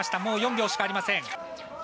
もう４秒しかありません。